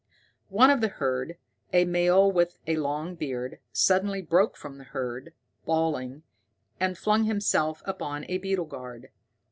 One of the herd, a male with a long beard, suddenly broke from the herd, bawling, and flung himself upon a beetle guard.